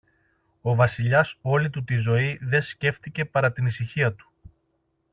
Ο Βασιλιάς όλη του τη ζωή δε σκέφθηκε παρά την ησυχία του.